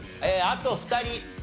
あと２人。